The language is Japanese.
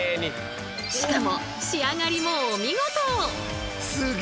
しかも仕上がりもお見事！